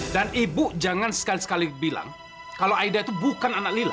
dan ibu jangan sekali sekali bilang kalau aida itu bukan anak lila